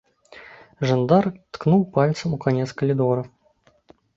Жандар ткнуў пальцам у канец калідора.